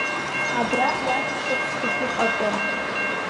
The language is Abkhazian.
Абра иацсҵарц сҭахуп акы…